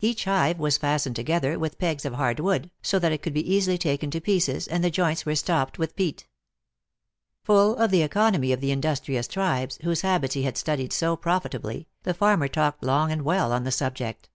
Each hive was fastened together with pegs of hard wood, so that it could be easily taken to pieces, and the joints were stopped with peat. Full of the economy of the industrious tribes, whose habits he had studied so profitably, the farmer talked long and well on the subject.